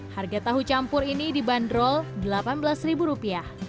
harga tahu campur ini dibanderol rp delapan belas